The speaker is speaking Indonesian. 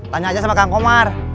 tanya aja sama kang komar